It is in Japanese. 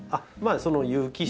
その有機質。